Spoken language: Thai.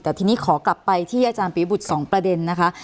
แต่ทีนี้ขอกลับไปที่อาจารย์ปียบุตร๒ประเด็นนะคะ